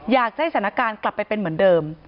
อยากให้สถานการณ์กลับไปเป็นเหมือนเดิม